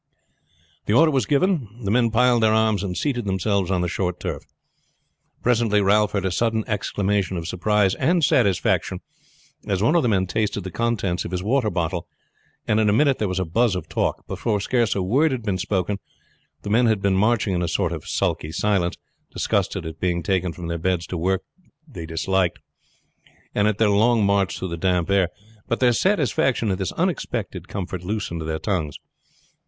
The order was given, the men piled their arms and seated themselves on the short turf. Presently Ralph heard a sudden exclamation of surprise and satisfaction as one of the men tasted the contents of his water bottle, and in a minute there was a buzz of talk. Before scarce a word had been spoken; the men had been marching in a sort of sulky silence, disgusted at being taken from their beds for work they disliked, and at their long march through the damp night air; but their satisfaction at this unexpected comfort loosened their tongues.